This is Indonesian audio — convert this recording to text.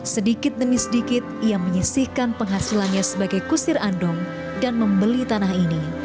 sedikit demi sedikit ia menyisihkan penghasilannya sebagai kusir andong dan membeli tanah ini